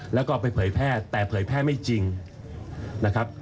แล้วก็ไปเผยแพทย์แต่เผยแพทย์ไม่จริงนะครับ